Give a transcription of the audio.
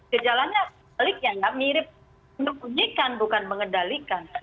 kejalannya mirip menunjukkan bukan mengendalikan